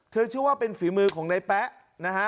เธอเชื่อว่าเป็นฝีมือของในแปะนะฮะ